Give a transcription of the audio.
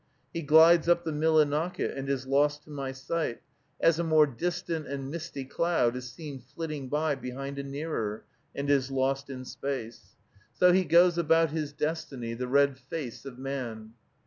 He glides up the Millinocket and is lost to my sight, as a more distant and misty cloud is seen flitting by behind a nearer, and is lost in space. So he goes about his destiny, the red face of man.